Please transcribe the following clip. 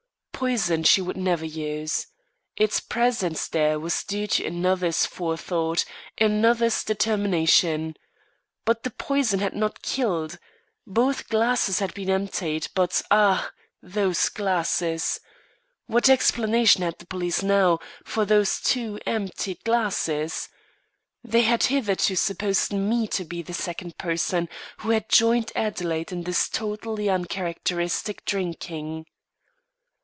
Poison she would never use. Its presence there was due to another's forethought, another's determination. But the poison had not killed. Both glasses had been emptied, but Ah! those glasses. What explanation had the police, now, for those two emptied glasses? They had hitherto supposed me to be the second person who had joined Adelaide in this totally uncharacteristic drinking.